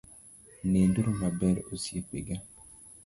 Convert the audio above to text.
Ninduru maber osiepega